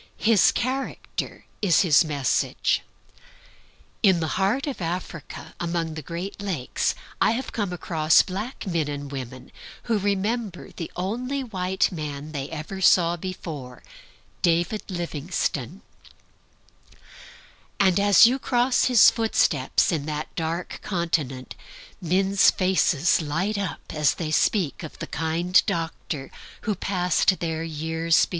His character is his message. In the heart of Africa, among the great Lakes, I have come across black men and women who remembered the only white man they ever saw before David Livingstone; and as you cross his footsteps in that dark continent, MEN'S FACES LIGHT UP as they speak of the kind doctor who passed there years ago.